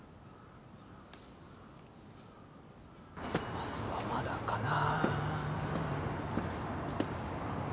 バスはまだかな。